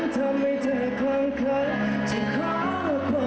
ทำให้เธอคล้ำคันจะขอรับก่อเบิร์ชริงมากกว่า